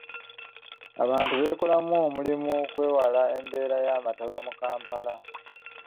Abantu beekolemu omulimu okwewala embeera y’amataba mu Kampala.